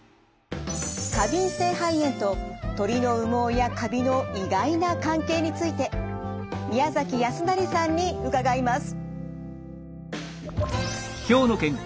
過敏性肺炎と鳥の羽毛やカビの意外な関係について宮崎泰成さんに伺います。